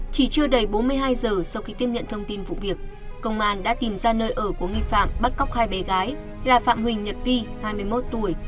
chỉ chưa đầy bốn mươi hai giờ sau khi tiếp nhận thông tin vụ việc công an đã tìm ra nơi ở của nghi phạm bắt cóc hai bé gái là phạm huỳnh nhật vi hai mươi một tuổi